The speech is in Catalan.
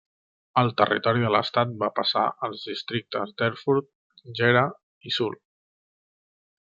El territori de l'estat va passar els districtes d'Erfurt, Gera i Suhl.